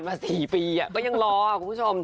ผ่านมา๔ปีอ่ะก็ยังรอคุณผู้ชม